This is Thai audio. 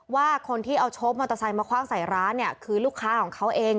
ว่าคนที่เอาโชคมอเตอร์ไซค์มาคว่างใส่ร้านเนี่ยคือลูกค้าของเขาเอง